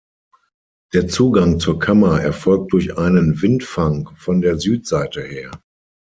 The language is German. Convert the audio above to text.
Der Zugang zur Kammer erfolgt durch einen Windfang von der Südseite her.